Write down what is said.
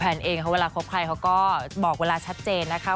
เองเวลาคบใครเขาก็บอกเวลาชัดเจนนะคะ